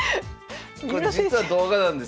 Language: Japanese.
これ実は動画なんです。